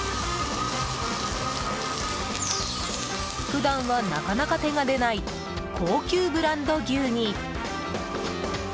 普段はなかなか手が出ない高級ブランド牛に。